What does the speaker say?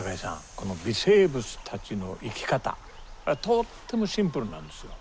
この微生物たちの生き方これはとってもシンプルなんですよ。